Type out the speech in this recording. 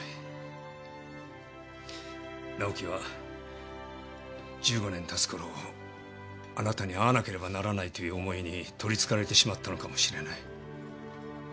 直季は１５年経つころあなたに会わなければならないという思いに取りつかれてしまったのかもしれない。